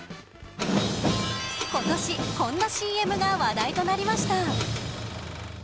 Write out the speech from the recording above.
今年、こんなＣＭが話題となりました。